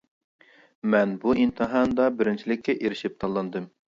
مەن بۇ ئىمتىھانىدا بىرىنچىلىككە ئېرىشىپ تاللاندىم.